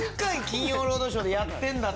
『金曜ロードショー』でやってんだ